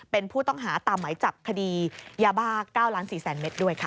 เป็นผู้ต้องหาตามหมายจับคดียาบ้า๙๔๐๐๐เมตรด้วยค่ะ